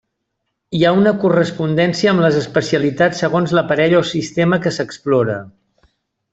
Hi ha una correspondència amb les especialitats segons l'aparell o sistema que s'explora.